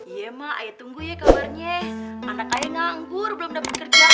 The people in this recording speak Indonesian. iya makanya tunggu ya kabarnya anaknya nganggur belum dapat kerja